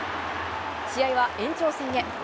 試合は延長戦へ。